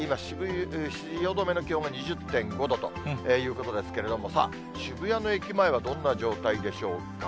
今、汐留の気温が２０．５度ということですけれども、渋谷の駅前はどんな状態でしょうか。